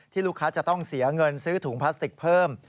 ลูกค้าจะต้องเสียเงินซื้อถุงพลาสติกเพิ่ม